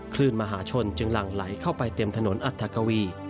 คลื่นมหาชนจึงหลั่งไหลเข้าไปเต็มถนนอัฐกวี